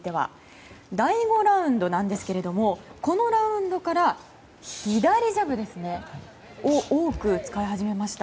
第５ラウンドなんですがこのラウンドから左ジャブを多く使い始めました。